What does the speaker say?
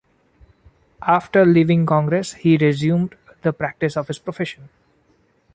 After leaving Congress, he resumed the practice of his profession.